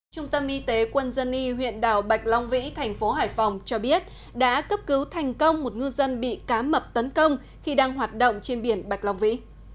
trung tâm y tế quân dân y huyện đảo bạch long vĩ thành phố hải phòng cho biết đã cấp cứu thành công một ngư dân bị cá mập tấn công khi đang hoạt động trên biển bạch long vĩ